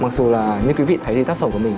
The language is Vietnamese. mặc dù là như quý vị thấy thì tác phẩm của mình